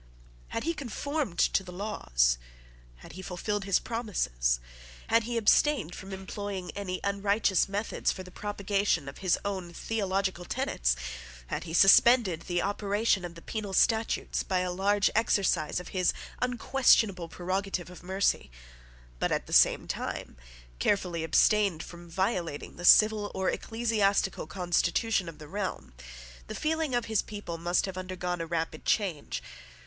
Had he conformed to the laws, had he fulfilled his promises, had he abstained from employing any unrighteous methods for the propagation of his own theological tenets, had he suspended the operation of the penal statutes by a large exercise of his unquestionable prerogative of mercy, but, at the same time, carefully abstained from violating the civil or ecclesiastical constitution of the realm, the feeling of his people must have undergone a rapid change.